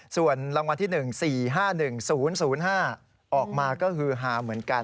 ส่วนรางวัลที่หนึ่งสี่ห้าหนึ่งศูนย์ศูนย์ศูนย์ห้าออกมาก็ฮือหาเหมือนกัน